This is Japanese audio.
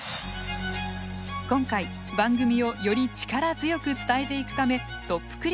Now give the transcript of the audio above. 今回番組をより力強く伝えていくためトップ